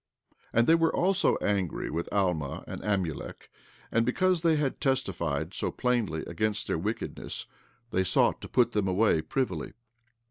14:3 And they were also angry with Alma and Amulek; and because they had testified so plainly against their wickedness, they sought to put them away privily.